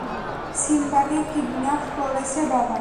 সিম্বাকে kidnap করেছে বাবা।